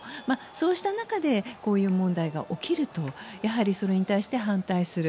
そうした中でこういう問題が起きるとそれに対して反対する。